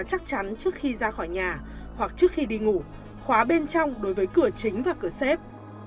chắc chắn trước khi ra khỏi nhà hoặc trước khi đi ngủ khóa bên trong đối với cửa chính và cửa xếp